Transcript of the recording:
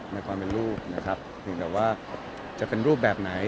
ในความเป็นลูกนะครับเพียงแต่ว่าจะเป็นรูปแบบไหน